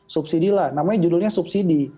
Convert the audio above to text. subsidi lah namanya judulnya subsidi